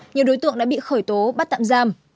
nhiều đối tượng đã bị khởi tố bắt tạm giam